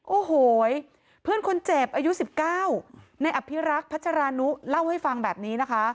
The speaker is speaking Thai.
โอ้โหเพื่อนคนเจ็บอายุ๑๙ในอภิรักษ์พัชรานุเล่าให้ฟังแบบนี้นะคะ